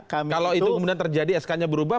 kalau itu kemudian terjadi sk nya berubah